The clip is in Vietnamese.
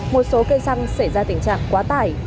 một số cây xăng xảy ra tình trạng quá tải